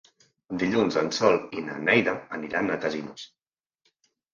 Dilluns en Sol i na Neida aniran a Casinos.